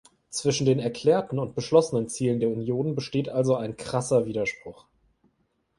Zwischen den erklärten und beschlossenen Zielen der Union besteht also ein krasser Widerspruch.